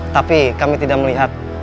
tapi kami tidak melihat